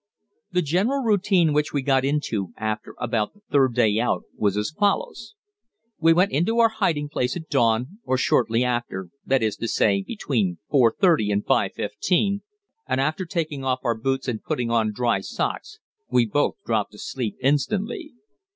The general routine which we got into after about the third day out was as follows: We went into our hiding place at dawn or shortly after, that is to say, between 4.30 and 5.15, and after taking off our boots and putting on dry socks we both dropped asleep instantly.